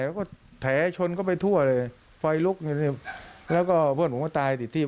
แล้วก็แผลชนเข้าไปทั่วเลยไฟลุกแล้วก็เพื่อนผมก็ตายติดที่